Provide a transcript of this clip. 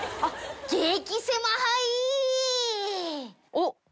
おっ！